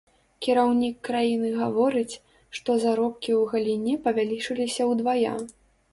Кіраўнік краіны гаворыць, што заробкі ў галіне павялічыліся ўдвая.